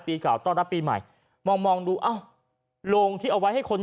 เก่าต้อนรับปีใหม่มองมองดูอ้าวโรงที่เอาไว้ให้คน